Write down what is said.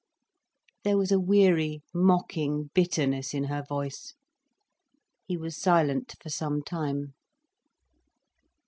_" There was a weary, mocking bitterness in her voice. He was silent for some time.